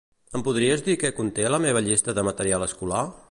Em podries dir què conté la meva llista de material escolar?